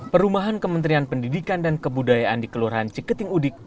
perumahan kementerian pendidikan dan kebudayaan di kelurahan ciketingudik